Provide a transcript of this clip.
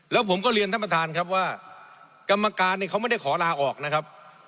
แล้วผมก็เรียนท่านประธานครับว่ากรรมการเนี่ยเขาไม่ได้ขอลาออกนะครับ